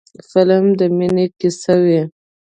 فلم د مینې کیسه وي